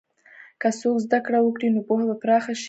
که څوک زده کړه وکړي، نو پوهه به پراخه شي.